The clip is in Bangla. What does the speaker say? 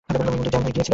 বন্দুক জ্যাম হয়ে গেছিল।